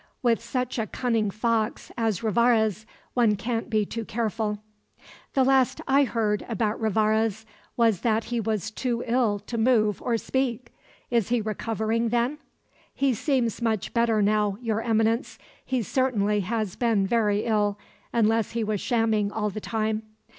With such a cunning fox as Rivarez one can't be too careful." "The last I heard about Rivarez was that he was too ill to move or speak. Is he recovering, then?" "He seems much better now, Your Eminence. He certainly has been very ill unless he was shamming all the time."